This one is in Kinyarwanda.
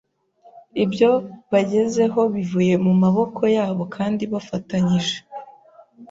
ibyo bagezeho bivuye mu maboko yabo kandi bafatanyije.